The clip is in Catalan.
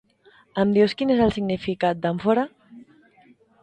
Em dius quin és el significat d'àmfora?